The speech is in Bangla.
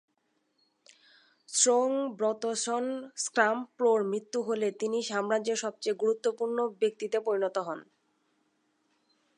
স্রোং-ব্ত্সন-স্গাম-পোর মৃত্যু হলে তিনি সাম্রাজ্যের সবচেয়ে গুরুত্বপূর্ণ ব্যক্তিতে পরিণত হন।